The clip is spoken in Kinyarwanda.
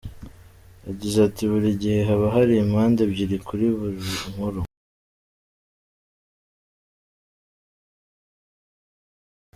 Yagize ati “Buri gihe haba hari impande ebyiri kuri buri nkuru.